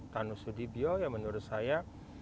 tanu sudibyo yang menurut saya